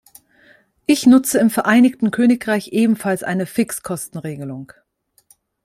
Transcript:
Ich nutze im Vereinigten Königreich ebenfalls eine Fixkostenregelung.